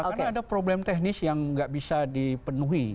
karena ada problem teknis yang nggak bisa dipenuhi